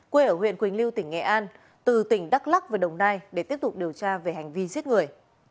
quê ở huyện quỳnh lưu tỉnh nghệ an từ tỉnh đắk lắc và đồng nai để tiếp tục điều tra về hành vi giết người